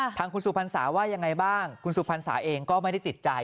ค่ะทางคุณสุภัณฑ์สาว่าอย่างไรบ้างคุณสุภัณฑ์สาวเองก็ไม่ได้ติดใจ